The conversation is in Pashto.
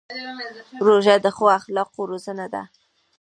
روژه د ښو اخلاقو روزنه ده.